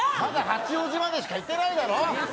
まだ八王子までしか言ってないだろ。